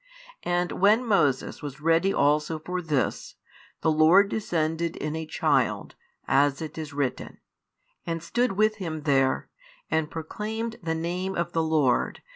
And when Moses was ready also for this, the Lord descended in a child, as it is written, and stood with him there, and proclaimed the Name of the Lord.